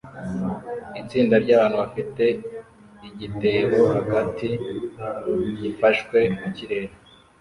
Itsinda ryabantu bafite igitebo hagati gifashwe mukirere